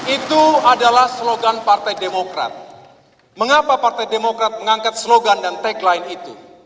itu adalah slogan partai demokrat mengapa partai demokrat mengangkat slogan dan tagline itu